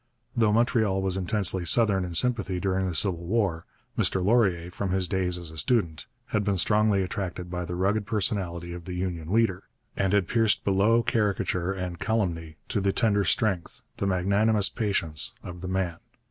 Though Montreal was intensely Southern in sympathy during the Civil War, Mr Laurier, from his days as a student, had been strongly attracted by the rugged personality of the Union leader, and had pierced below caricature and calumny to the tender strength, the magnanimous patience, of the man.